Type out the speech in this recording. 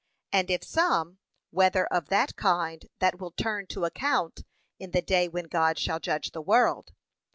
and if some, Whether of that kind that will turn to account in the day when God shall judge the world.